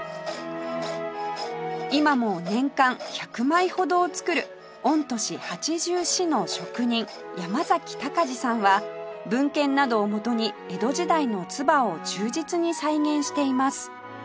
今も年間１００枚ほどを作る御年８４の職人山崎隆司さんは文献などをもとに江戸時代の鐔を忠実に再現しています